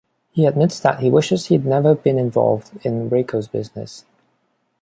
He admits that he wishes he'd never been involved in Reiko's business.